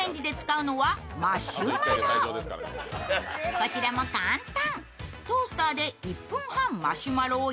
こちらも簡単。